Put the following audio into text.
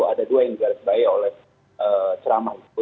ada dua yang jelas baik oleh ceramah itu